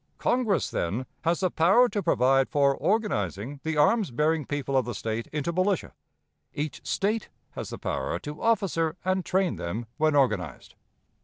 ' "Congress, then, has the power to provide for organizing the arms bearing people of the State into militia. Each State has the power to officer and train them when organized.